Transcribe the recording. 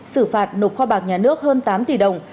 xử phạt nộp kho bạc nhà nước hơn tám tỷ đồng